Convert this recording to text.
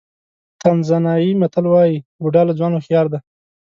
تانزانیايي متل وایي بوډا له ځوان هوښیار دی.